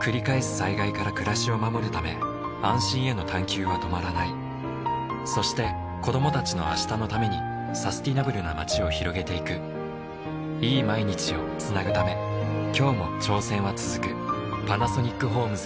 災害から暮らしを守るため安心への探究は止まらないそして子供たちの明日のためにサスティナブルな街を拡げていくいい毎日をつなぐため今日も挑戦はつづくパナソニックホームズ